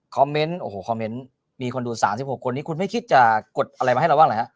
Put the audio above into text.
คอมเมนต์โอ้โหคอมเมนต์มีคนดูสามสิบหกคนนี่คุณไม่คิดจะกดอะไรมาให้เราบ้างเลยฮะ